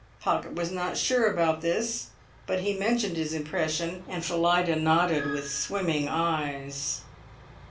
Pocket was not sure about this, but he mentioned his impression, and Phillida nodded with swimming eyes.